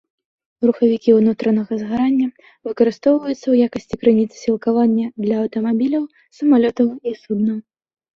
Рухавікі ўнутранага згарання выкарыстоўваюцца ў якасці крыніцы сілкавання для аўтамабіляў, самалётаў і суднаў.